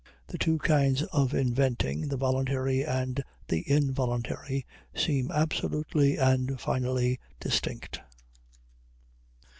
The two kinds of inventing, the voluntary and the involuntary, seem absolutely and finally distinct.